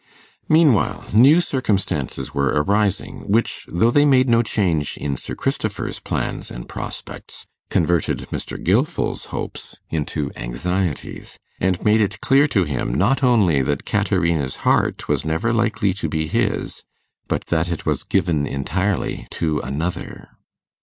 Meanwhile, new circumstances were arising, which, though they made no change in Sir Christopher's plans and prospects, converted Mr. Gilfil's hopes into anxieties, and made it clear to him not only that Caterina's heart was never likely to be his, but that it was given entirely to another.